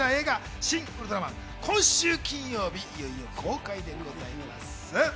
『シン・ウルトラマン』、今週金曜日いよいよ公開でございます。